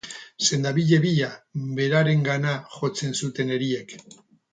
Sendabide bila, berarengana jotzen zuten eriek